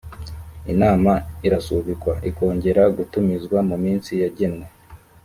inama irasubikwa ikongera gutumizwa mu minsi yagenwe